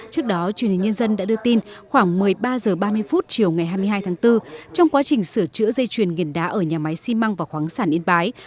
trước đó truyền hình nhân dân đã đưa tin khoảng một mươi ba h ba mươi chiều ngày hai mươi hai tháng bốn trong quá trình sửa chữa dây chuyền nghiền đá ở nhà máy xi măng và khoáng sản yên bái